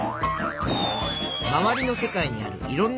まわりの世界にあるいろんなふしぎ。